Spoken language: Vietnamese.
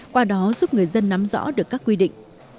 qua đó giúp người dân nắm rõ được các quy định